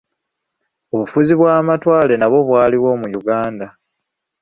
Obufuzi bw'amatwale nabwo bwaliwo mu Uganda.